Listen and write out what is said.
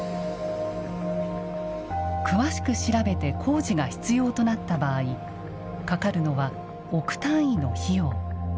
詳しく調べて工事が必要となった場合かかるのは億単位の費用。